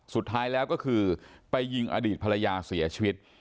สุดท้ายแล้วก็คือไปยิงอดีตภรรยาเสียชีวิต